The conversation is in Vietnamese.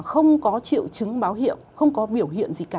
không có triệu chứng báo hiệu không có biểu hiện gì cả